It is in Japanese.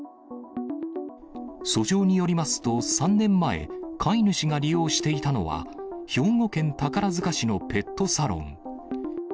訴状によりますと、３年前、飼い主が利用していたのは、兵庫県宝塚市のペットサロン。